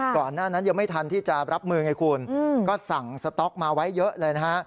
ก่อนหน้านั้นยังไม่ทันที่จะรับมือไงคุณก็สั่งสต๊อกมาไว้เยอะเลยนะฮะ